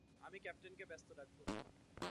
আমি ক্যাপ্টেনকে ব্যস্ত রাখব।